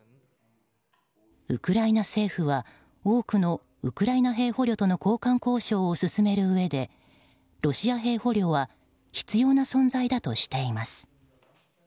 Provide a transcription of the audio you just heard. ウクライナ政府は多くのウクライナ兵捕虜との交換交渉を進めるうえでロシア兵捕虜は必要な存在だとしています。